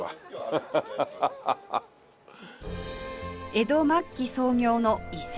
江戸末期創業のいせ源